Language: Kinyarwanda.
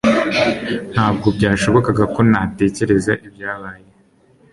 Ntabwo byashobokaga ko ntatekereza ibyabaye.